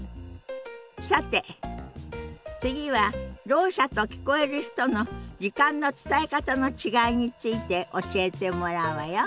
さて次はろう者と聞こえる人の時間の伝え方の違いについて教えてもらうわよ。